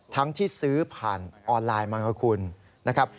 ทั้งที่ซื้อผ่านออนไลน์มานะคุณนะครับ